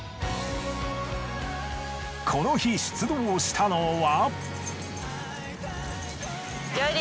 この日出動したのは。